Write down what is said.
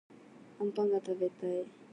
あんぱんがたべたい